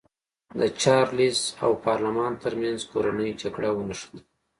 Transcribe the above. د چارلېز او پارلمان ترمنځ کورنۍ جګړه ونښته.